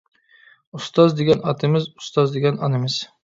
ئۇستاز دېگەن ئاتىمىز، ئۇستاز دېگەن ئانىمىز.